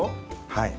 はい。